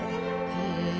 へえ。